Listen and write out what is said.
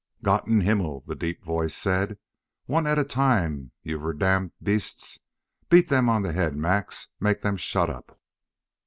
"Gott im Himmel!" the deep voice said. "One at a time, you verdammt beasts. Beat them on the head, Max; make them shut up!"